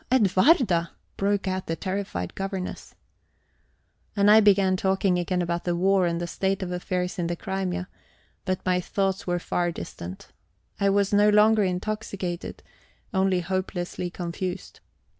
"Oh, Edwarda!" broke out the terrified governess. And I began talking again about the war and the state of affairs in the Crimea; but my thoughts were far distant. I was no longer intoxicated, only hopelessly confused.